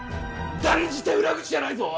断じて裏口じゃないぞ！